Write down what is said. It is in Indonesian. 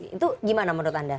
itu gimana menurut anda